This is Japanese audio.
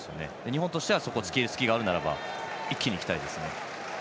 日本としては、そこにつけいる隙があるならば一気にいきたいですね。